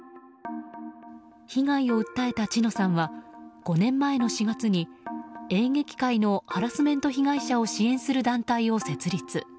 被害を訴えた知乃さんは５年前の４月に演劇界のハラスメント被害者を支援する団体を設立。